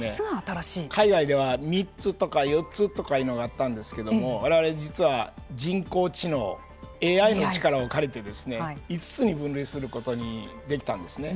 海外では３つとか４つとかいうのがあったんですけどわれわれ実は人工知能ＡＩの力を借りて５つに分類することができたんですね。